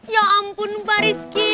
ya ampun pak rizky